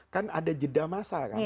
kan ada jeda masa